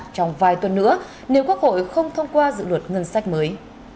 trong vài tuần nữa nếu quốc hội không thông qua dự luật ngân sách mới